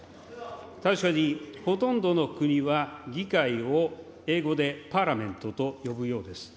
確かにほとんどの国は議会を英語でｐａｒｌｉａｍｅｎｔと呼ぶようです。